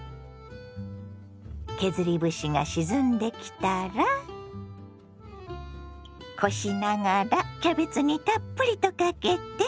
削り節が沈んできたらこしながらキャベツにたっぷりとかけて。